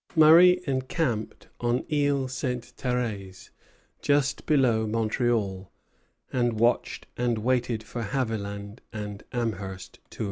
Murray encamped on Isle Ste. Thérèse, just below Montreal, and watched and waited for Haviland and Amherst to appear.